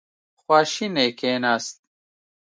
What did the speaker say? خواشینی کېناست.